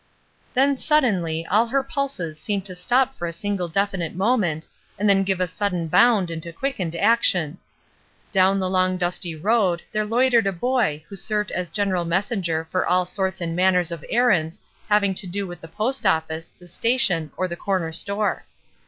Then, suddenly, all her pulses seemed to stop for a single definite moment, and then give a sudden bound into quickened action. Down the long, dusty road there loitered a boy who served as general messenger for aU sorts and manners of errands having to do with the post office, the station, or the corner store.